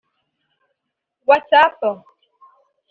whatsApp